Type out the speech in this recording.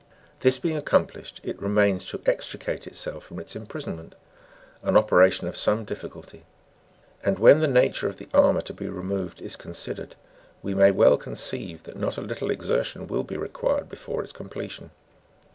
This being accomplished, it remains to extricate itself from its imprison ment; an operation of some difficulty ; and, when the nature of the armour to be removed is considered, we may well conceive that not a little exertion will be required before its completion.